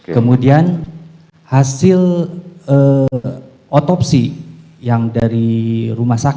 kemudian hasil otopsi yang dari rumah sakit